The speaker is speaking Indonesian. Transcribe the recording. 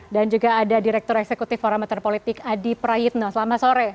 dan juga ada direktur eksekutif fora metropolitik adi prayitno selamat sore